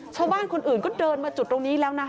ชาวบ้านคนอื่นก็เดินมาจุดตรงนี้แล้วนะ